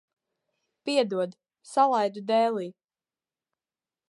Piedod, salaidu dēlī.